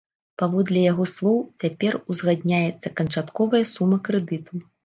Паводле яго слоў, цяпер узгадняецца канчатковая сума крэдыту.